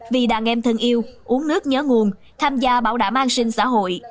vì đàn em thân yêu uống nước nhớ nguồn tham gia bảo đảm an sinh xã hội